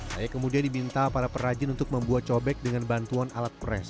saya kemudian diminta para perajin untuk membuat cobek dengan bantuan alat pres